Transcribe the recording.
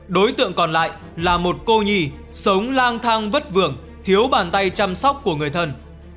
đối tượng còn lại là một cô nhì sống lang thang vất vảng thiếu bàn tay chăm sóc của người thân